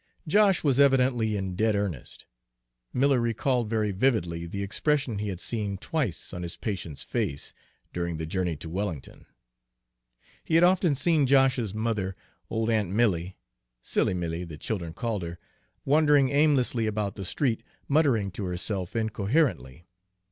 Josh was evidently in dead earnest. Miller recalled, very vividly, the expression he had seen twice on his patient's face, during the journey to Wellington. He had often seen Josh's mother, old Aunt Milly, "Silly Milly," the children called her, wandering aimlessly about the street, muttering to herself incoherently.